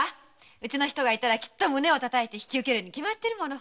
うちの人がいたらきっと胸を叩いて引き受けるに決まってるもの。